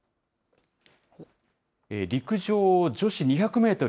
陸上女子２００メートル